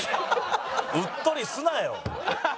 うっとりすなよ！